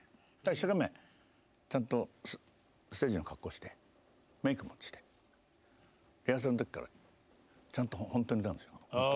一生懸命ちゃんとステージの格好をしてメークもしてリハーサルの時からちゃんと本当に歌うんですよ。